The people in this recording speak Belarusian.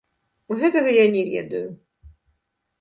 Гэтага я не ведаю.